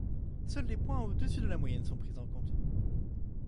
Seuls les points au-dessus de la moyenne sont pris en compte.